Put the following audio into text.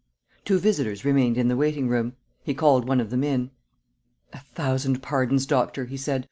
Two visitors remained in the waiting room. He called one of them in: "A thousand pardons, Doctor," he said.